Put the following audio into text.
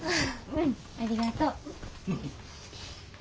うんありがとう。